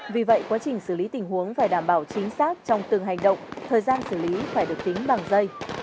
vì vậy quá trình xử lý tình huống phải đảm bảo chính xác trong từng hành động thời gian xử lý phải được tính bằng dây